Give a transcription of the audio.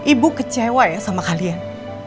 ibu kecewa ya sama kalian